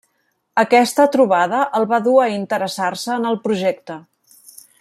Aquesta trobada el va dur a interessar-se en el projecte.